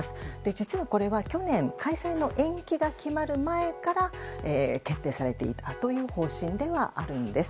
実は、これは去年、開催の延期が決まる前から決定されていたという方針ではあるんです。